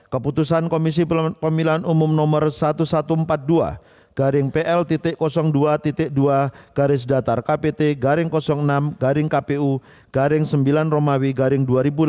keputusan komisi pemilihan umum no seribu satu ratus empat puluh dua garing pl dua dua garis datar kpt garing enam garing kpu garing sembilan romawi garing dua ribu delapan belas